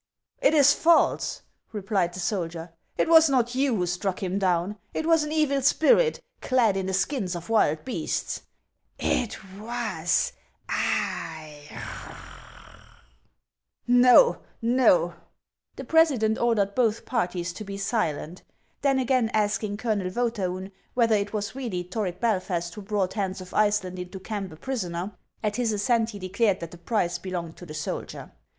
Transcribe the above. " It is false," replied the soldier. " It was not you who struck him down ; it was an evil spirit, clad in the skins of wild beasts." " It was I '"" No, no !" The president ordered both parties to be silent ; then, again asking Colonel Vcethatin whether it was really Toric Belfast who brought Hans of Iceland into camp a prisoner, at his assent he declared that the prize belonged to the soldier.